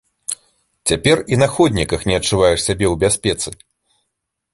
Цяпер і на ходніках не адчуваеш сябе ў бяспецы.